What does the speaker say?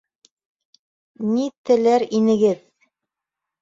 Ни теләр инегеҙ?